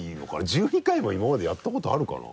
１２回も今までやったことあるかな？